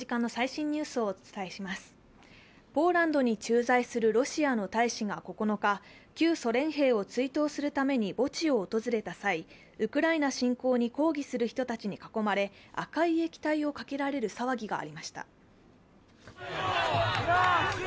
ポーランドに駐在するロシアの大使が９日、旧ソ連兵を追悼するために墓地を訪れた際、ウクライナ侵攻に抗議する人たちに囲まれ赤い液体をかけられる騒ぎがありました。